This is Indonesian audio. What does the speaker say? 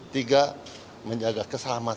tiga menjaga keamanan negara